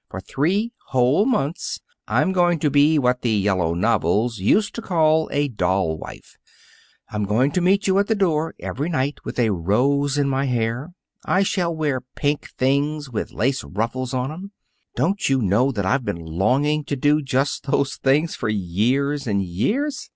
For three whole months I'm going to be what the yellow novels used to call a doll wife. I'm going to meet you at the door every night with a rose in my hair. I shall wear pink things with lace ruffles on 'em. Don't you know that I've been longing to do just those things for years and years?